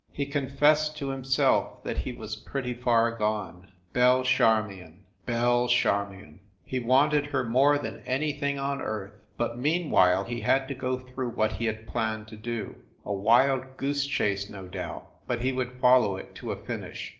He confessed to himself that he was pretty far gone. Belle Charmion ! Belle Charmion ! He wanted her more than anything on earth ! But, meanwhile, he had to go through what he had planned to do. A wild goose chase, no doubt, but he would follow it to a finish.